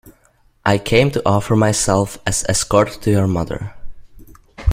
I came to offer myself as escort to your mother.